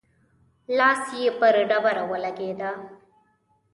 لاس يې پر ډبره ولګېد.